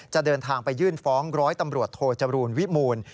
เดินทางไปยื่นฟ้องร้อยตำรวจโทจรูลวิมูล